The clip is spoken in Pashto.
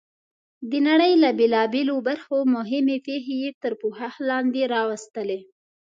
د نړۍ له بېلابېلو برخو مهمې پېښې یې تر پوښښ لاندې راوستلې.